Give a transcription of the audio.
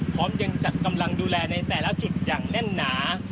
พร้อมยังจัดกำลังดูแลในแต่ละจุดอย่างแน่นหนา